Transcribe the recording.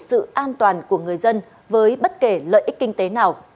sự an toàn của người dân với bất kể lợi ích kinh tế nào